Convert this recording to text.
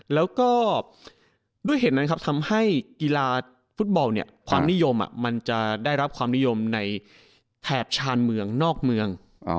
แล้วก็ด้วยเหตุนั้นครับทำให้กีฬาฟุตบอลเนี่ยความนิยมมันจะได้รับความนิยมในแถบชานเมืองนอกเมือง